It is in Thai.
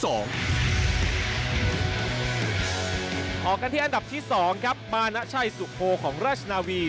ออกกันที่อันดับที่๒ครับมานะชัยสุโพของราชนาวี